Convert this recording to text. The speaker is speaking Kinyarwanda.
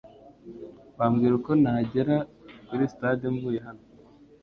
Wambwira uko nagera kuri stade mvuye hano?